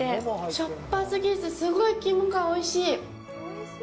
しょっぱすぎず、すごい肝がおいしい。